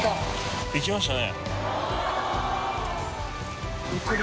いきましたね。